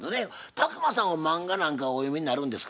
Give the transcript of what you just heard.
宅麻さんは漫画なんかはお読みになるんですか？